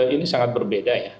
ini sangat berbeda ya